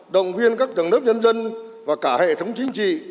động viên các tầng lớp nhân dân và cả hệ thống chính trị